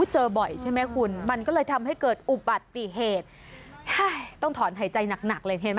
เจอบ่อยใช่ไหมคุณมันก็เลยทำให้เกิดอุบัติเหตุต้องถอนหายใจหนักหนักเลยเห็นไหม